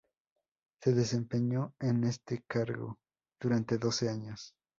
Se desempeñó en este cargo durante doce años.